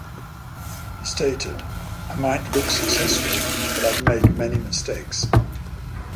He has stated: I might look successful but I've made many mistakes.